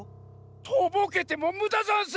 とぼけてもむだざんす！